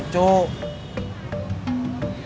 itu kode apaan kode butut